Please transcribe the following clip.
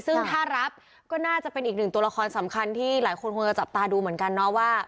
ซึ่งถ้ารับก็น่าจะเป็นอีกหนึ่งตัวละครสำคัญที่หลายคนคงจะจับตาดูเหมือนกันเนาะว่า